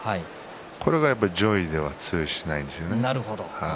これが上位では通用しないんです。